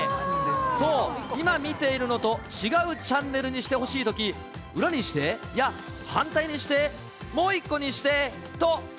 そう、今見ているのと違うチャンネルにしてほしいとき、裏にしてや、反対にして、なるほどー。